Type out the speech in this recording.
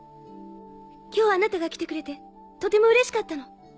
今日あなたが来てくれてとてもうれしかったの。